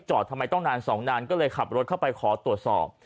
ทำไมต้องนานสองนานก็เลยขับรถเข้าไปขอตรวจสอบ